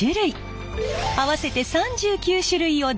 合わせて３９種類を常備。